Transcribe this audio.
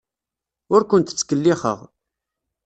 Ur kent-ttkellixeɣ.